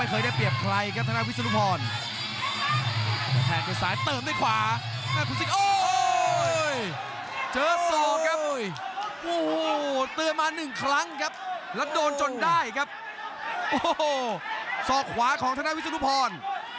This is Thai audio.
ไม่เคยได้เปรียบใครครับธนาควิสุนุพร